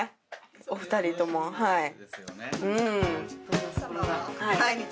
お二人ともはいうん。